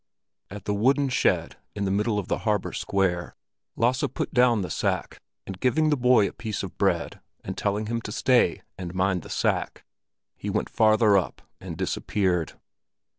At the wooden shed in the middle of the harbor square, Lasse put down the sack, and giving the boy a piece of bread and telling him to stay and mind the sack, he went farther up and disappeared.